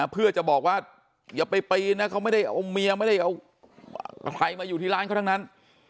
เพื่อจะบอกว่าอย่าไปปีนนะเขาไม่ได้เอาเมียไม่ได้เอาใครมาอยู่ที่ร้านเขาทั้งนั้น